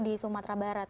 di sumatera barat